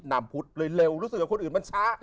นามพุทธเลยเร็วรู้สึกว่าคนอื่นมันช้า